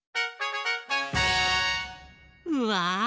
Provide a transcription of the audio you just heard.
うわ！